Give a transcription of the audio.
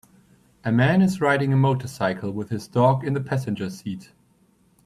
A man is riding a motorcycle with his dog in the passenager seat.